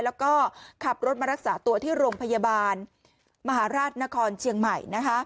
แล้วก็ขับรถมารักษาตัวที่โรงพยาบาลมหาราชนครเชียงใหม่